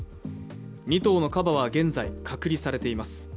２頭のカバは現在、隔離されています。